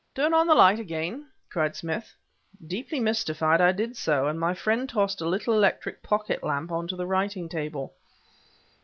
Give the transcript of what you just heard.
"Turn on the light, again!" cried Smith. Deeply mystified, I did so... and my friend tossed a little electric pocket lamp on to the writing table.